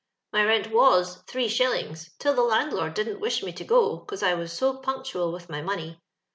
My rent was three shillings, till the landlord didn't wish me to go, 'cause I was so punctual with my money.